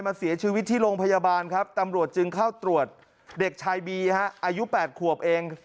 เสียชีวิตที่โรงพยาบาลครับตำรวจจึงเข้าตรวจเด็กชายบีฮะอายุ๘ขวบเอง